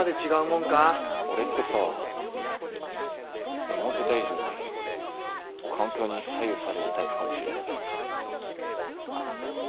俺ってさ思ってた以上に環境に左右されるタイプかもしれない。